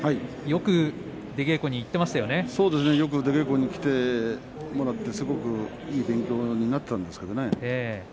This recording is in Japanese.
よく出稽古に来てもらってすごくいい勉強になったんですけれどもね